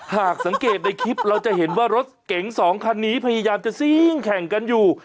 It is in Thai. หากสังเกตในคลิปเราจะเห็นว่ารถเก๋งสองคันนี้พยายามจะซิ่งแข่งกันอยู่